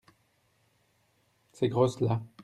Ces grosses-là.